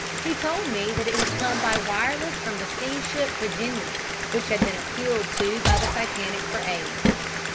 He told me that it had come by wireless from the steamship Virginian, which had been appealed to by the Titanic for aid."